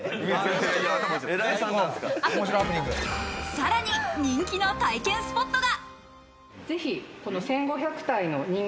さらに人気の体験スポットが。